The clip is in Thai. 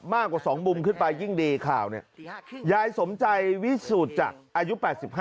มากกว่าสองมุมขึ้นไปยิ่งดีข่าวยายสมใจวิสูจน์จากอายุ๘๕